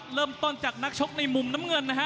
เริ่มต้นจากนักชกในมุมน้ำเงินนะฮะ